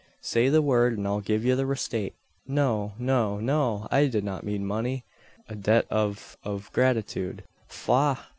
Say the word, an I'll giv ye the resate!" "No no no! I did not mean money. A debt of of gratitude." "Faugh!